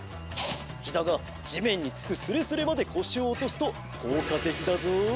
ひざがじめんにつくスレスレまでこしをおとすとこうかてきだぞ。